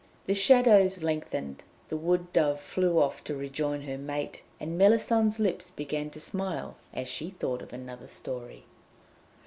The shadows lengthened; the wood dove flew off to rejoin her mate; and Méllisande's lips began to smile as she thought of another story.